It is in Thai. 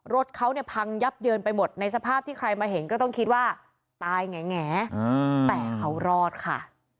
รถเขาเนี่ยพังยับเยินไปหมดในสภาพที่ใครมาเห็นก็ต้องคิดว่าตายแหงแต่เขารอดค่ะ